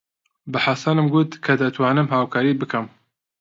بە حەسەنم گوت کە دەتوانم هاوکاریت بکەم.